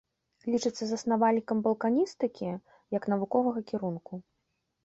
Лічыцца заснавальнікам балканістыкі як навуковага кірунку.